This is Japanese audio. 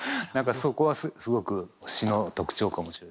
そこはすごく詞の特徴かもしれない。